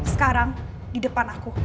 sekarang di depan aku